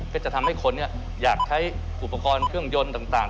ก็จะทำให้คนอยากใช้อุปกรณ์เครื่องยนต์ต่าง